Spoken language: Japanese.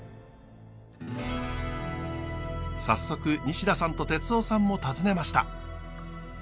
早速西田さんと哲夫さんも訪ねました。